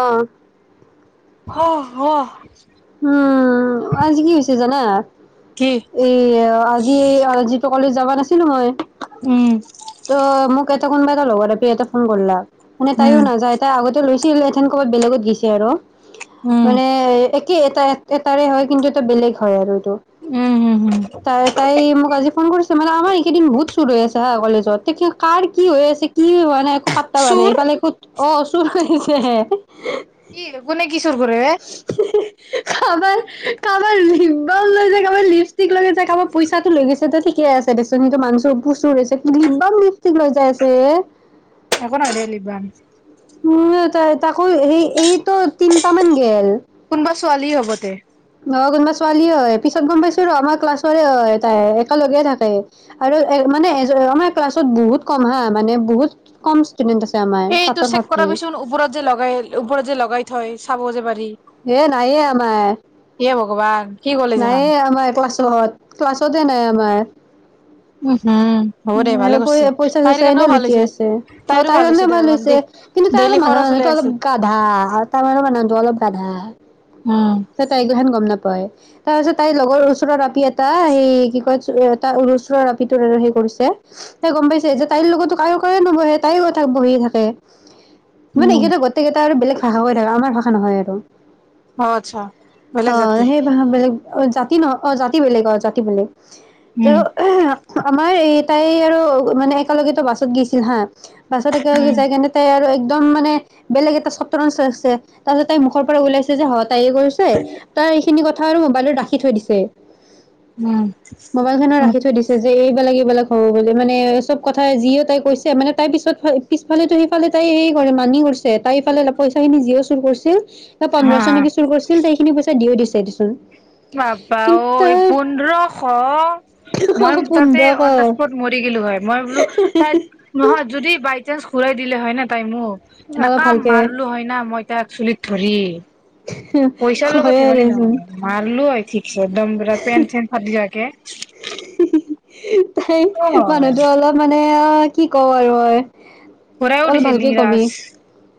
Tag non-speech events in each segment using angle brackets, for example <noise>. আহ অ হ উম আজি কি হৈছে জানা? কি এ আজি যিটো ক'লে যাবা। নাছিলোঁ হয়। উম ত মোক এটা কোনবাই এ লগৰ এপি এটা ফোন কৰলা মানে তাইও উম নাযায় তাই আগতেও লৈছে। সি লেটিনকদ বেলেগত গৈছে আৰু উম মানে এক এটা এটাৰে হয় কিন্তু এটা বেলেগ হয় আৰু ত উম উম উম তাই মোক আজি ফোন কৰিছে। মানে আমাৰ এইকেইদিন বহুত চুৰ হৈ আছে হা কলেজত তে কাৰ কি হৈ আছে। কি হোৱা নাই। পট্টা পোৱা নাই চুৰ এইফালে খুত <inaudible> অ' চুৰ কৰিছে। কি গুনে কি চুৰ কৰে? কাৰোবাৰ-কাৰোবাৰ লিপবাম লৈ যায়, কাৰোবাৰ লিপষ্টিক লৈ যায়, কাৰোবাৰ পইচাটো লৈ গৈছে। ঠিকে আছে দেচোন হেটো মানচো <unintelligible> লিপবাম, লিপষ্টিক লৈ যাই আছে এ। একো নাই দে, লিপবাম <unintelligible> তাকো সেই-এইটোত। তিনিটামান গেল। কোনোবা ছোৱালী হ'ব দে। কোনোবা ছোৱালীয়ে হয়। পিছত গম পাইছো ৰ, আমাৰ ক্লাছৰে হয়। তাই একেলগেই থাকে। আৰু এ মানে আমাৰ ক্লাছত বহুত কম হা। মানে বহুত কম। ষ্টুডেন্ট আছে আমাৰ সেইটো ছাত্ৰ চেক ছাত্ৰী কৰাবিচোন, ওপৰত যে লগাই, ওপৰত যে লগাই থয়। চাব যে পাৰি। হে নাই এ আমাৰ। এ ভগৱান কি ক'লে যেখান নায়ে আমাৰ ক্লাছত ক্লাছতে নাই আমাৰ। উম হম হ'ব দে ভালে কৰিছে তাইৰ পইচা-চইচা এনে কাৰণেও ভাল লুটি হৈছে আছে। অ' তাইৰো তাৰ হৈছে কাৰণেৰ দে ভাল অলপমান হৈ। দেই কিন্তু তাৰ ডেইলি অলপ খৰচ ওলাই মানুহৰ-মানুহটো অলপ আছে গাধা। তাৰ মানৰ মানুহটো অলপ গাধা। উম তাইকোহেন গম নাপায়, তাৰপাছত তাইৰ লগৰ ওচৰৰ আপি এটা, সেই কি কয় তা-ওচৰৰ আপিটোৰ আৰু সেই কৰিছে। তাই গম পাইছে যে তাইৰ লগতো কাৰো-কাৰো নবহে। তাইও বহি থাকে। মানে উম একেইটা, গোটেইটা আৰু বেলেগ। ভাষা কৈ থাকা, আমাৰ ভাষা নহয় এইটো। অ আচ্ছা বেলেগ অ' জাতি সেই <unintelligible> বেলেগ অ' জাতি নহয়, অ' জাতি বেলেগ অ' জাতি বেলেগ। ত' উম আমাৰ এই। তাই আৰু মানে একেলগেতো বাছত গেছিল হা। বাছত একেলগে যায় কেনে তাই আৰু। একদম মানে বেলেগ এটা চত <unintelligible> আছে। তাৰপিছত তাইৰ মুখৰ পৰা ওলাইছে যে, হয় তাইয়ে কৰিছে, তাৰ এইখিনি কথা আৰু মোবাইলত ৰাাখি থৈ দিছে। উম মোবাইলখনৰ উম ৰাখি থৈ দিছে যে, এইবিলাক-এইবিলাক হ'ব বুলি মানে, চব কথাই যিও তাই কৈছে, মানে তাইৰ পিছত, পিছফালেতো সেইফালে তাই হেই কৰে, মানি কৰিছে। তাই সেইফালে লপ পইচাখিনি যিও চুৰ কৰিছিল। ন পন্ধৰশ হা নেকি? ছিল <unintelligible> পইচা দিয়া দিছে দেচোন। পাপা কিন্তু ঐ তাই পোন্ধৰশ মই তাতে পোন্ধৰশ অন দা স্পট মৰি গিলো হয় মই বোলো তাত নহয় যদি বাই চান্স ঘূৰাই দিলে হয় ন তাই মোক এনে অলপ কাম ভালকে মাৰলো হয় না মই একচলি ধৰি পইচাৰ লগত হয়ে ধেমালি দেচোন নহয় মাৰলো হয় ঠিকছে একদম পেন চেন ফাটিযোৱাকে হি হি তাই মানুহতো অলপ মানে অ কি ক'ব আৰু হয়। ঘূৰাইও অলপ দিছে ভালকে কবি লিংৰাজ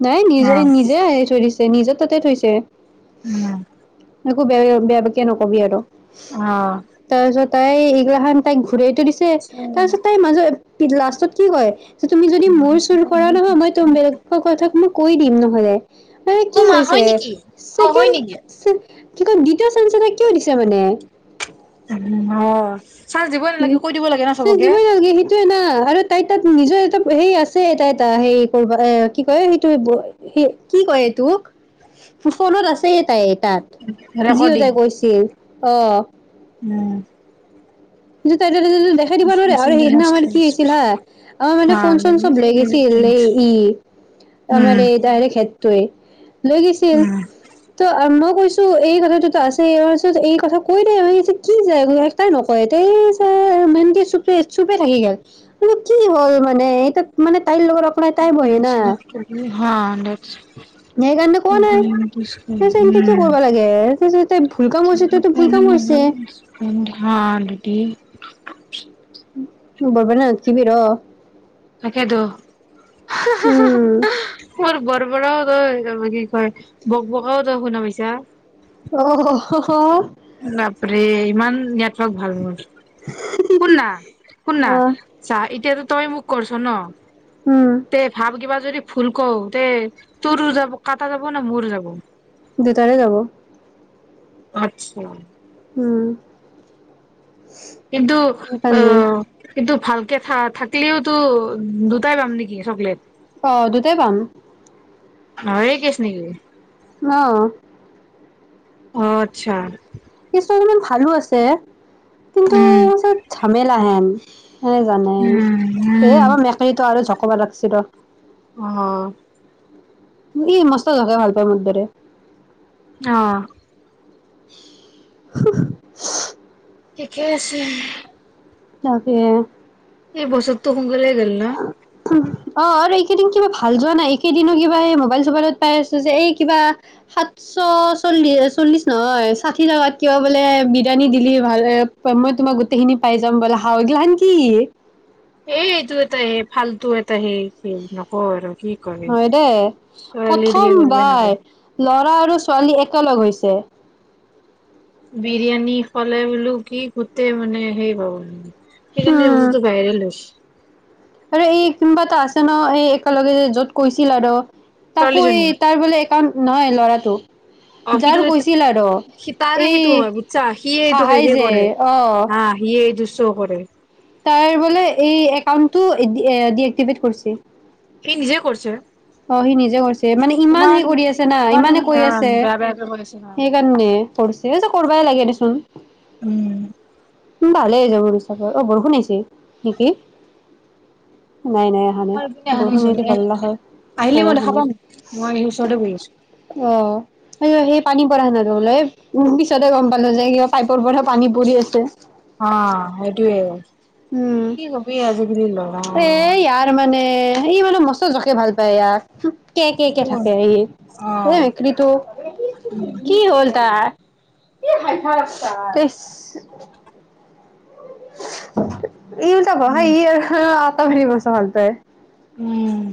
নাই অ নিজে নিজে আহি থৈ দিছে নিজে তাতে থৈছে। উম। একো বেয়া বেয়া বোকেয়া নকবি আৰু আহ। তাৰপিছত তাই এগলাখান্তাই। ঘূৰাইতটো দিছে তাৰপিছত তাইৰ মাজত লাষ্টত কি কয় তুমি যদি মোৰ চুৰ কৰা নহয় মই তো বেলেগ কথাক মোক কৈ দিম নহ'লে মানে অ কি মা হয় হৈছে নেকি অ হয় ছেকেণ্ড নেকি <inaudible> কিয় চাঞ্চ কিয় দিছে মানে? উ অ চান্স দিবই উ নালাগে কৈ দিব লাগে ন চাঞ্চ চবকে নালগে সেইটোয়ে ন আৰু তাই তাত নিজৰ এটা সেই আছে তাই এটা হে কৰা এ কি কয় সেইটো কি কয় তোক ফুফনত আছে তাই তাত ৰেকৰ্ডিং যিহতাই কৈছিল আহ। উম। দুটাত দেখাই দিবা নোৱাৰে তাকেতো আৰু সেইদিনা মোৰ আমাৰ কি হৈছিল হা আমাৰ মানে ফোন চোন চব লৈ গৈছিল এ ই আমাৰ এই তাই তই লৈ গৈছিল ত' মোক কৈছো এই কথাটোতো আছে পিছত এই কথা কৈ নাই কি যায় তাই নকয় এই ছাৰ ম চুপে- চুপে থাকি গল কি হ'ল মানে এতাত মানে তাইৰ লগত অকলে তাই বহে না সেইকাৰণে কোৱা নাই তাৰপিছত এনেকে কিয় কৰিব হ লাগে তাৰপিছত তাই ভুল কাম কৰিছে তইতো ভুল কাম কৰিছে এই সোমবাৰৰ পৰা লতকিবি ৰহ। তাকেটো। হা বা উম মোৰ বৰবৰাও তই তাৰপা কি কয়, বকবকাও তই শুনা পাইছা? অ বাপৰে ইমান নেটৱৰ্ক ভাল মোৰ। শুননা? শুননা? অ' চা এতিয়াতো তই মোক কৰছ ন? উম তে ভাব কিবা যদি ভুল কও তে তোৰ যাব- কাটা যাব না মোৰ যাব? দুটাৰে যাব। আত্ছা। উম। কিন্তু অ। সেইকাৰণে কিন্তু ভালকে থা - থাকিলিওতো দুটাই পাম নেকি চকলেট? অঁ দুটাই পাম। নহয়ে কেছ নেকি অহ। অ আত্ছা। ভালো আছে। কিন্তু উম ঝামেলা হেন। হে জানে। উম এ উম আমাৰ মেকৰী টো আৰু ঝক কবা লাগিছে ৰ। অহ। ই মস্ত জকাই ভাল পাই মোৰ দৰে। অ'। <inaudible> ঠিকে আছে। তাকে। এই বস্তুতটো। কুগলে গল ন। অ আৰু এইকেইদিন কিবা ভাল যোৱা নাই এইকেইদিনো কিবা এই মোবাইল চবাইলত পাই আছো যে এই কিবা সাতশ চল্লি চল্লিশ নহয় ষাঠি টকাত কিবা বোলে বিৰিয়ানী দিলি ভাল মই তোমাক গোটেইখিনি পাই যাম বোলে হাগলা নেকি? এ এইটো এটাই সে ফাল্তু এটা সেই খ নকওঁ আৰু। কি কৰে হয় দেই ছোৱালীৰ সেই প্ৰথম কৰিব বাৰ নাজানে লৰা আৰু। ছোৱালী একেলগ হৈছে। বিৰিয়ানী ফালে বোলো কি গোটেই মানে সেই হ'ল। সেইকাৰণে এই হুম বস্তুতো বাইৰলছ। আৰু এই কোনবা এটা আছে ন এই একেলগে যে য'ত কৈছিল আৰু। তাকো ছোৱালীজনী ই তাই বোলে। কাৰণ নহয় ল'ৰাটো। অ যাৰ সিটো কৈছিল আৰু স সি তাৰে এই সেইটো হয় বুজিছা সিয়ে এইটো হাহাই সে যে কৰে অ হা সিয়ে এইটো কৰে তাই বোলে এই একাউণ্টতো ডি এক এক্টিভেট কৰিছে। সি‌ নিজে কৰিছে। অ সি নিজে কৰিছে মানে ইমান হে কৰি আছে না ইমানে কৰি আছে ইমান বেয়া বেয়াকে কৈ আছে ন। সেইকাৰণে। কৰিছে কৰিবাই লাগে দেচোন। উম উ ভালে হয়‌ যাব দে চোন অ বৰষুণ আহিছে নেকি? নাই নাই অহা নাই আমাৰ এইপিনে অহা নাই বৰষুণ চোন আহিলে ভাল হয় আহিলে নাই মই অহা দেখা নাই পাম মই ওচৰতে বহি আছো। অ', সেই সেই পানী পৰা না বোলে পিছতে গম পালো যে কিবা পাইপৰ পৰা পানী পৰি আছে। অ সেইটোৱে উম, কি কবি আজি আজিকালি লৰা এ ইয়াৰ মানে এই মানে মস্ত জকে ভাল পায় ইয়াক কে কে কে অ উম। থাকে এই অ এই মেকুৰীটো কি হ'ল তাৰ। ইছ অ <inaudible> ইউ যাব হা ই অ তৰি মছা ভাল পায় <unintelligible> উম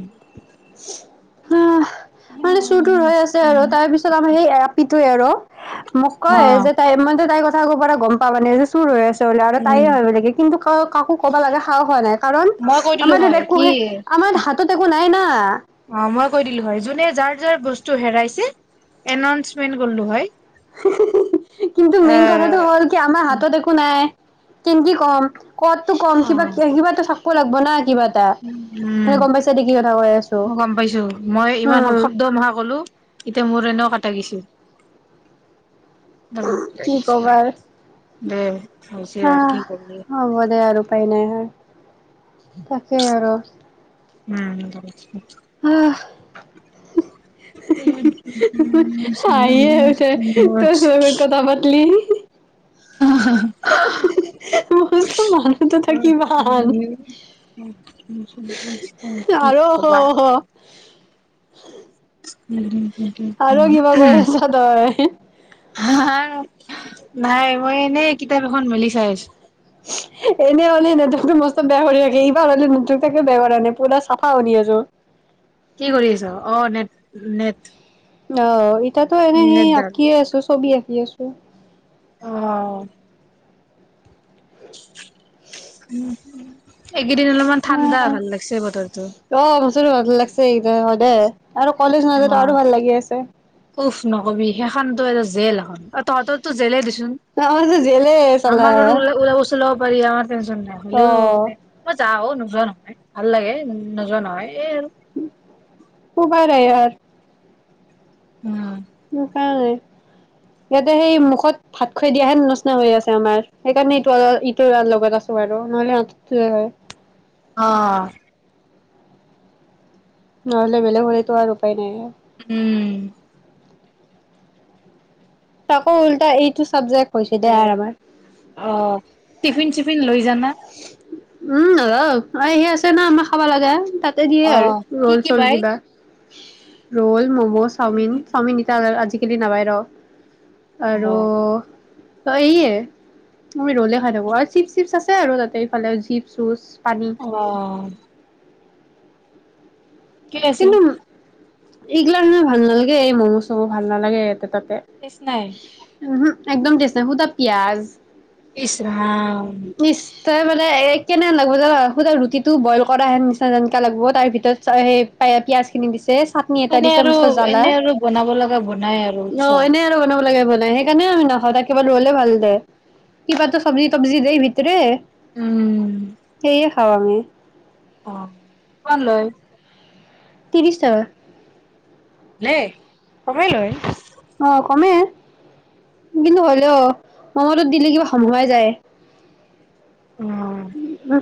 হা মানে চুৰ তুৰ হৈ আছে আৰু তাৰ পিছত আমাৰ সেই আপিটোৱে আৰু মোক কয় যে তাই মই তাই ক আগৰ পৰা গম পাবানে যে চোৰ ৰৈ আছে। আৰু তাইয়ে আৰু লাগে কিন্তু কাকো ক'ব লগা সাহস হোৱা নাই কাৰণ মই কৈ দিলো আমাৰ টৌ হয় একো কি আমাৰ হাতত একো নাই না সা অ মই কৈ দিলো হয় যোনে যাৰ যাৰ বস্তু হেৰাইছে এনাউন্চমেন্ট কৰিলো হয়। কিন্তু এ মেইন কথাটো হ'ল কি আমাৰ হাতত একো নাই। কেনকে কম ক'ত নো কম অ কিবা কিবা এটা চাব লাগিব না কিবা এটা উম মানে গম পাইছা দে কি কথা কৈ আছো ম গম পাইছো মই ইমান উম শব্দ নহা কলো এতিয়া মোৰ এনেও কটা গিছে কি ক'বা দে হৈছে আৰু আহ কি কৰবি হ'ব দে আৰু উপায় নাই আৰু তাকে আৰু উম উম উম <unintelligible> হাহিয়েই উঠে তোৰ লগত কথা পাতলি। আহা মস্ত মানুহটো থাকি ভাল <unintelligible> <unintelligible> কি আৰু হ কবা? হ <unintelligible> উম। আৰু কিবা কৰি আছ তই? <unintelligible> <unintelligible> হ নাই মই এনেই কিতাপ এখন মেলি চাই আছো। এনেই হ'লে ন তো মস্ত বেয়া কৰি থাকে এইবাৰ হলে ন থাকে বেয়া কৰা নাই পুৰা চাফা কৰি আছো। কি কৰি আছ? অ নেট নেট অ। এতিয়াতো এনে সেই নেটডাল আঁকিয়ে আছো। ছবি আকি আছো। অহ। <unintelligible> <unintelligible> এইকেইদিন অলপমান ঠাণ্ডা ভাল লাগিছে বতৰটো। অ ভাল মচুৰ লাগছে সেই কাৰণে। অ উফ নকবি সেইখন ত এ জেল এখন, তহতৰটো জেলে দিছে অ জেলে <unintelligible> ওল ওলাব চলাব পাৰি অ। <unintelligible> ন অ হলেও মানে মই যাওঁ <inaudible> নোযোৱা নহয়, ভাল লাগে নোযোৱা নহয়। এই আৰু উপায় নাই ইয়াত উম উম। কাৰ লে ইয়াতে সেই মুখত ভাত খাই দিয়াহে নচিনা হৈ আছে আমাৰ, সেইকাৰণে ইটো ইটোৰ লগত আছো আৰু নহলে তাতে হয়। অ। নহ'লে বেলেগ হ'লেতো আৰু উপায় নাই। উম। তাকো উল্টা এইটো চাবজেক্ট। হৈছে দে আৰু আমাৰ <unintelligible> আহ। টফিন চিফিন লৈ। জানা। উম হ অ সি আছে ন আমাৰ খাব লাগে, তাক তাতে দিয়ে অ আৰু কি ৰল কি চল বাই কিবা। ৰল মগ চাওমিন চাওমিন এতি আজি খেলি নাপাই ৰ অ আৰু অ ইয়ে আমি ৰলে খাই থাকো আৰু চিপ চিপ আছে ছে ৰুল তাতে ইফালে জীপ চুজ আহ কি আছে এইগিলাক মানে ভাল নালাগে এই ম'মো চবো ভাল নালাগে এ তাত টেষ্ট নাই উমহোঁ একদম তেজ নাই শুদা পিয়াজ ইছৰাম তই মানে কেনে লাগিব যানা শুন্ধা ৰুটিটো বইল কৰা হেন নিচিনা তেনেকে লাগিব তাৰ ভিতৰত সেই পায়া পিয়াঁজ খিনি দিছে চাটনি এটা এনে দিছে আৰু মস্ত জ্বালা। এনে আৰু বনাব লগা বনাই আৰু ছ নাই সেইকাৰণে আমিখাওঁ কিবা ৰৰুলে ভাল দে কিবাতো চব্জি তবজি দেই ভিতৰে উম সেই খাও আমি অ অকমান লয় ত্ৰিশ টকা নে কমেই লয় অ কমে কিন্তু হলেও মৰমত দিলে কিবা সমসমুৱাই যায় অ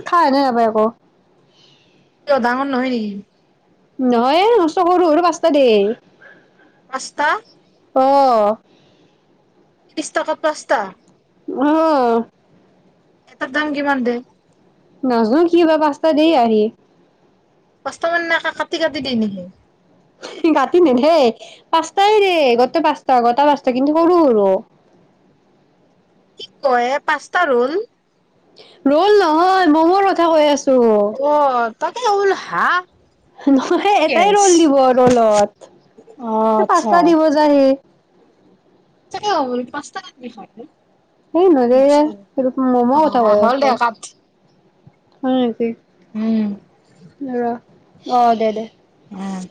<unintelligible> খাই নাই এবাৰ ক কিয় ডাঙৰ নহয় নেকি? নহয় যে মস্ত সৰু -সৰু পাঁচটা দেই পাঁচটা অ', তিশটকাত পাঁচটা আহ', এটা দাম কিমান দে? নাজো কি বা পাচতা দেয়ে আহি পাস্তা মানে কাটি- কাটি দিয়ে নেকি? কাটি নিদিয়ে পাঁচটাই দিয়ে গোটেই পাঁচটা গটা পাঁচটা কিন্তু সৰু - সৰু। তই পাঁচটা ৰ'ল ৰল নহয় মমৰ কথা কৈ আছো। অ', তাকে ওল হা', নহয় এটাই কেছ ৰল দিব ৰলত অ আচ্ছা পাচটা দিব যাহি তাকে ভাবোঁ পাঁচটা কেনেকে হয়। এই মাজ সটো মমা অ কথা কৈ হ'ল আছো দে কাট হয় নেকি উম ধৰা। অ', দে - দে উম',